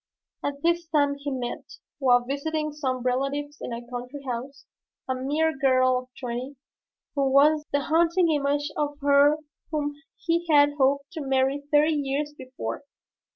At this time he met, while visiting some relatives in a country house, a mere girl of twenty, who was the image, the haunting image of her whom he had hoped to marry thirty years before.